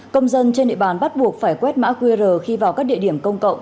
công dân trên địa bàn bắt buộc phải quét mã qr khi vào các địa điểm công cộng